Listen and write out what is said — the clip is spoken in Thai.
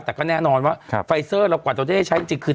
ไทยแล้วแต่ก็แน่นอนว่าครับไฟเซอร์เราปวดตัวเทศใช้จริงจริงคือ